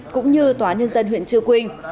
cũng như tòa nhân dân huyện chư quynh